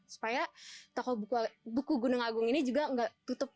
supaya toko gunung agung ini juga gak tutup